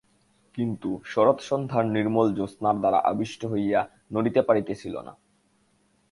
কিন্তু শরৎসন্ধ্যার নির্মল জ্যোৎস্নার দ্বারা আবিষ্ট হইয়া নড়িতে পারিতেছিল না।